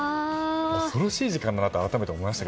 恐ろしい時間だなと改めて思いました。